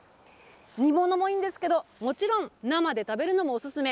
煮物もいいんですけど、もちろん生で食べるのもおすすめ。